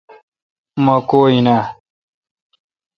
اوما کو این اؘ۔